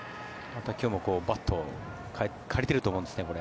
また今日もバットを借りていると思うんですよね。